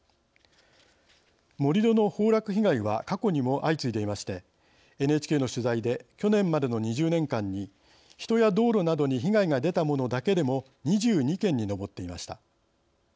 盛り土の崩落被害は過去にも相次いでいましてＮＨＫの取材で去年までの２０年間に人や道路などに被害が出たものだけでも２２件に上っていました。